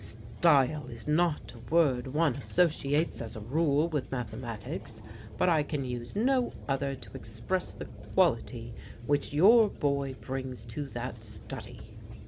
'Style' is not a word one associates as a rule with mathematics, but I can use no other to express the quality which your boy brings to that study.